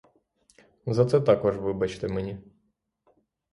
За це також вибачте мені.